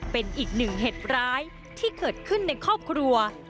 เป็นอีกหนึ่งเหตุร้ายที่เกิดขึ้นในครอบครัว